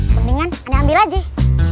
mendingan aneh ambil aja ya